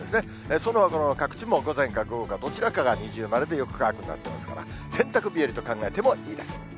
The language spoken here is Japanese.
そのほかの各地も午前か午後か、どちらかが二重丸でよく乾くになってますから、洗濯日和と考えてもいいです。